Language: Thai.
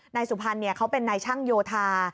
นายสุพรรณเขาเป็นนายช่างโยธา